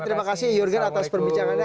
terima kasih jurgen atas perbincangannya